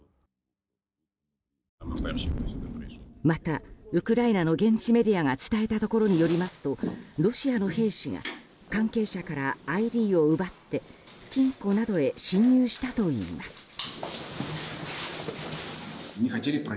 またウクライナの現地メディアが伝えたところによりますとロシアの兵士が関係者からＩＤを奪って金庫などへ侵入したといいます。